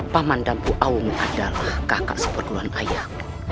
paman dampu awang adalah kakak sepeduluan ayah